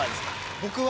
僕は。